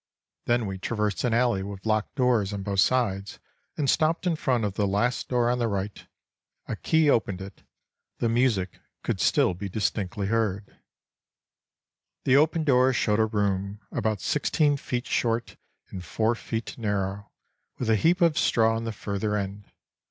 Then we traversed an alley with locked doors on both sides, and stopped in front of the last door on the right. A key opened it. The music could still be distinctly heard. The opened door showed a room, about sixteen feet short and four feet narrow, with a heap of straw in the further end.